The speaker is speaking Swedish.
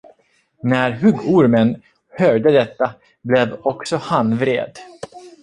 När huggormen hörde detta, blev också han vred.